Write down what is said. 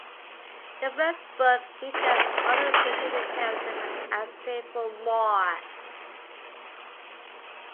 The first book features all of the preceding characters, and adds several more.